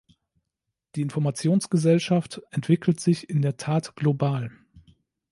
Die Informationsgesellschaft entwickelt sich in der Tat global.